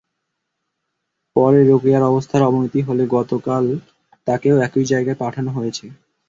পরে রোকেয়ার অবস্থার অবনতি হলে গতকাল তাঁকেও একই জায়গায় পাঠানো হয়েছে।